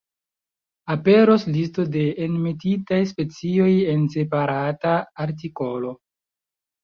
Aperos listo de enmetitaj specioj en separata artikolo.